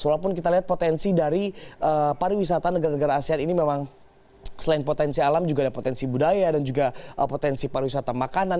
walaupun kita lihat potensi dari pariwisata negara negara asean ini memang selain potensi alam juga ada potensi budaya dan juga potensi pariwisata makanan